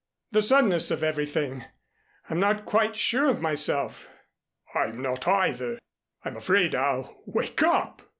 The suddenness of everything I'm not quite sure of myself " "I'm not either. I'm afraid I'll wake up."